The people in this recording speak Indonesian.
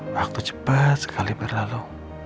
waktu cepat sekali berlalu